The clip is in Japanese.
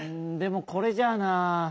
んでもこれじゃあなぁ。